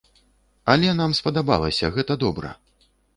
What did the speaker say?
Але нам спадабалася, гэта добра.